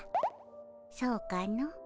そうかの？